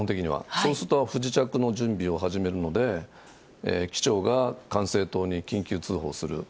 そうすると、不時着の準備を始めるので、機長が管制塔に緊急通報する。